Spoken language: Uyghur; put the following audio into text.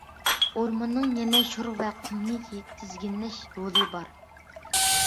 ئورماننىڭ يەنە شور ۋە قۇمنى تىزگىنلەش رولى بار.